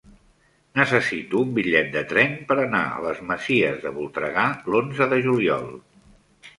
Necessito un bitllet de tren per anar a les Masies de Voltregà l'onze de juliol.